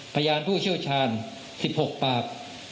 พยานผู้เชี่ยวชาญ๑๖ปาก